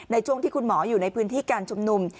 ในช่วงที่คุณหมออยู่ในพื้นที่การชุมนุม